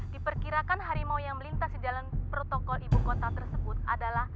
diperkirakan harimau yang melintas di jalan protokol ibu kota tersebut adalah